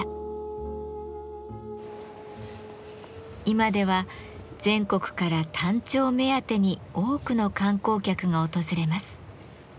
今では全国からタンチョウ目当てに多くの観光客が訪れます。